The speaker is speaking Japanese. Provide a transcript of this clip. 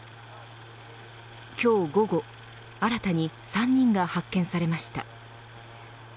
今日午後新たに３人が発見されました。